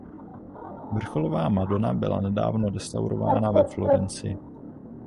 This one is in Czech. Vrcholová madona byla nedávno restaurována ve Florencii.